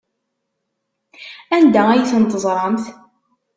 Anda ay ten-teẓramt?